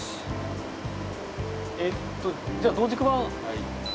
えっとじゃあ同軸盤。